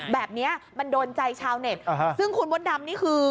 แบบนี้มันโดนใจชาวเน็ตซึ่งคุณมดดำนี่คือ